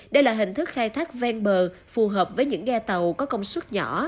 đây là hình thức khai thác ven bờ phù hợp với những ghe tàu có công suất nhỏ